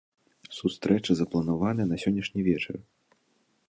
Сустрэча запланаваная на сённяшні вечар.